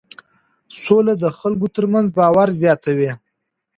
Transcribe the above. سوله د خلکو ترمنځ باور زیاتوي.